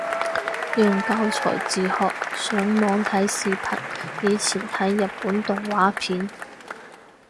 用教材自學，上網睇視頻，以前睇日本動畫片